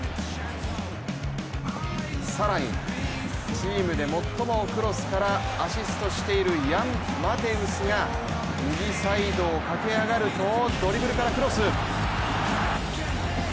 更にチームで最もクロスからアシストしているヤンマテウスが、右サイドを駆け上がるとドリブルからクロス。